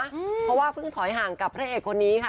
เพราะว่าเพิ่งถอยห่างกับพระเอกคนนี้ค่ะ